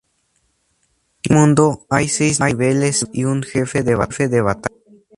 En cada mundo, hay seis niveles y un jefe de batalla.